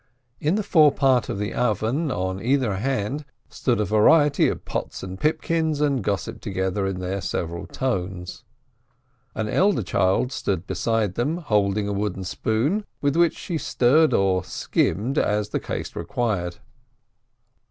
In the forepart of the oven, on either hand, stood a variety of pots and pipkins, and gossipped together in their several tones. An elder child stood beside them holding a wooden spoon, with which she stirred or skimmed as the case required.